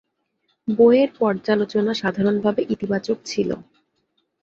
বইয়ের পর্যালোচনা সাধারণভাবে ইতিবাচক ছিল।